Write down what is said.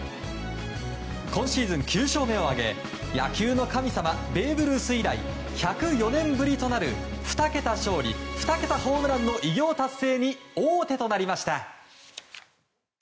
今シーズン９勝目を挙げ野球の神様ベーブ・ルース以来１０４年ぶりとなる２桁勝利、２桁ホームランの偉業達成に王手となりました。